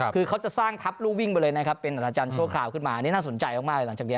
เขาจะสร้างทัพรู่วิ่งไปเลยนะเป็นอาจารย์ชั่วข่าวขึ้นมาอันนี้น่าสนใจมากหลังจากนี้